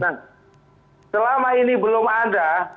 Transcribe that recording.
nah selama ini belum ada